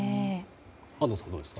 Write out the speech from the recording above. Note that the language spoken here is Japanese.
安藤さんはどうですか。